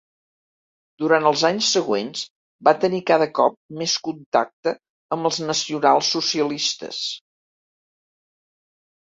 Durant els anys següents va tenir cada cop més contacte amb els nacionalsocialistes.